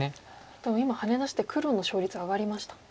でも今ハネ出して黒の勝率上がりました。